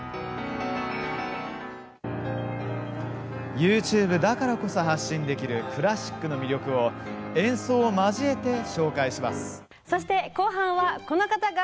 ＹｏｕＴｕｂｅだからこそ発信できるクラシックの魅力を演奏を交えて紹介します。